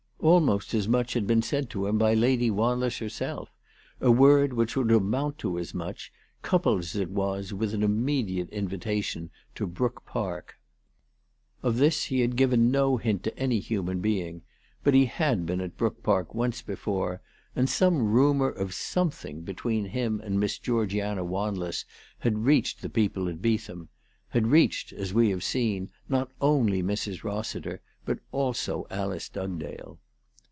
Almost as much had been said to him by Lady "Wanless herself, a word which would amount to as much, coupled as it was with an immediate invitation to Brook 340 ALICE DUGDALE. Park. Of this he had given no hint to any human heing; but he had been at Brook Park once before, and some rumour of something between him and Miss Georgiana Wanless had reached the people at Beetham, had reached, as we have seen, not only Mrs. Hossiter, but also Alice Dugdale.